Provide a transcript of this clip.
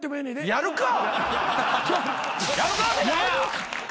やるか！